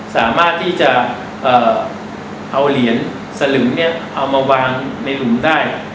สามารถที่จะเอาเหรียญสลึงเนี่ยเอามาวางในหลุมได้